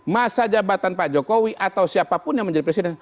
masa jabatan pak jokowi atau siapapun yang menjadi presiden